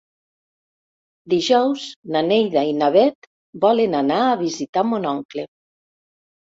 Dijous na Neida i na Bet volen anar a visitar mon oncle.